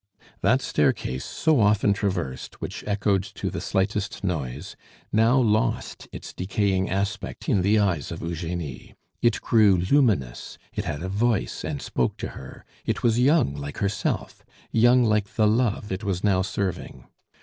That staircase, so often traversed, which echoed to the slightest noise, now lost its decaying aspect in the eyes of Eugenie. It grew luminous; it had a voice and spoke to her; it was young like herself, young like the love it was now serving.